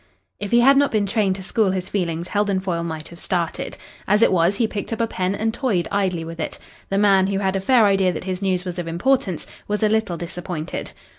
If he had not been trained to school his feelings, Heldon Foyle might have started. As it was, he picked up a pen and toyed idly with it. The man, who had a fair idea that his news was of importance, was a little disappointed.